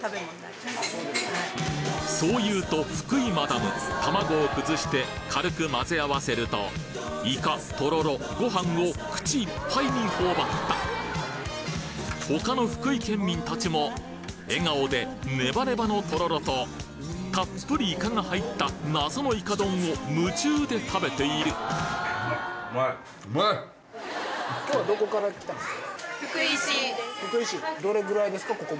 そう言うと福井マダム卵を崩して軽く混ぜ合わせるとイカとろろご飯を口いっぱいに頬張った他の福井県民たちも笑顔でネバネバのとろろとたっぷりイカが入った謎のイカ丼を夢中で食べているが出てくるんですよ。